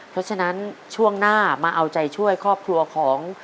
เพราะฉะนั้นช่วงหน้ามาเอาใจช่วยครอบครัวของ